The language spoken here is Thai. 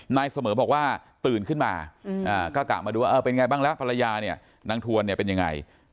นายเสมอบอกว่าตื่นขึ้นมาก็กะมาดูว่าเป็นไงบ้างแล้วภรรยาเนี่ยนางทวนเนี่ยเป็นยังไง